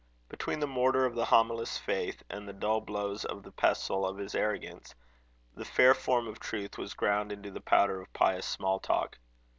Between the mortar of the homilist's faith, and the dull blows of the pestle of his arrogance, the fair form of truth was ground into the powder of pious small talk.